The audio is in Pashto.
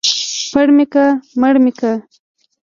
ـ پړ مى که مړ مى که.